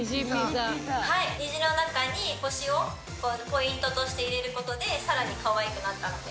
虹の中に星をポイントとして入れることで更にカワイくなったので。